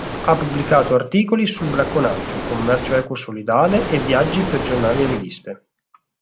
Ha pubblicato articoli sul bracconaggio, commercio equo solidale e viaggi per giornali e riviste.